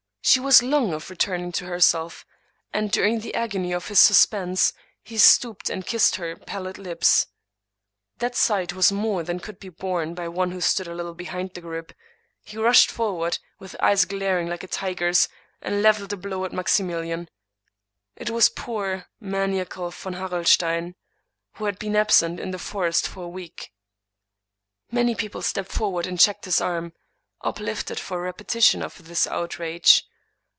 She was long of returning to herself; and, during the agony of his suspense, he stooped and kissed her pallid lips. That sight was more than could be borne by one who stood a little behind the 119 English Mystery Stories group. He rushed forward, with eyes glaring like a tiger's, and leveled a blow at Maximilian. It was poor, maniacal Von Harrelstein, who had been absent in the forest for a week. Many people stepped forward and checked his arm, uplifted for a repetition of this outrage.